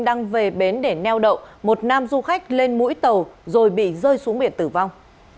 đang về bến để neo đậu một nam du khách lên mũi tàu rồi bị rơi xuống biển tử vong